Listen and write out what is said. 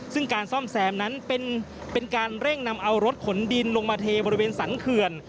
ซึ่งการซ่อมแซมนั้นเป็นการเร่งนำเอารถขนดินลงมาเทบริเวณสรรเขื่อน